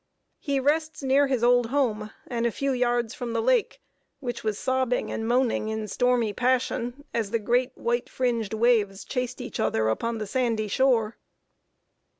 He rests near his old home, and a few yards from the lake, which was sobbing and moaning in stormy passion as the great, white fringed waves chased each other upon the sandy shore.